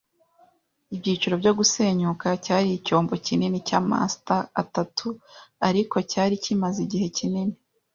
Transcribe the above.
ibyiciro byo gusenyuka. Cyari icyombo kinini cya masta atatu ariko cyari kimaze igihe kinini